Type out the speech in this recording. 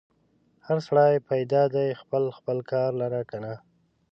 هر سړی پیدا دی خپل خپل کار لره کنه.